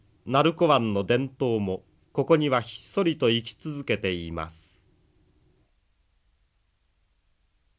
鳴子わんの伝統もここにはひっそりと生き続けています。